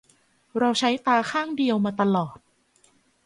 เราใช้ตาข้างเดียวมาตลอด